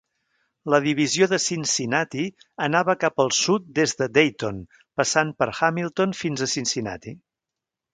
La divisió de Cincinnati anava cap al sud des de Dayton passant per Hamilton fins a Cincinnati.